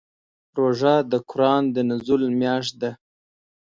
روژه د قران د نزول میاشت ده.